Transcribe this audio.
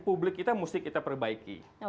publik kita mesti kita perbaiki